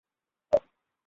অন্তত একটি হামলা চালাও।